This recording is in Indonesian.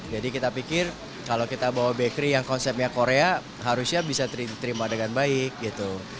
jadi kita pikir kalau kita bawa bakery yang konsepnya korea harusnya bisa diterima dengan baik gitu